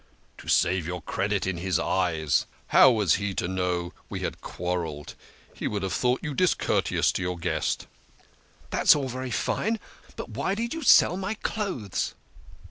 " To save your credit in his eyes. How was he to know we had quarrelled ? He would have thought you discour teous to your guest." "That's all very fine. But why did you sell my clothes?